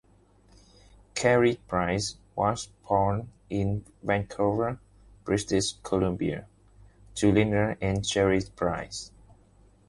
Carey Price was born in Vancouver, British Columbia, to Lynda and Jerry Price.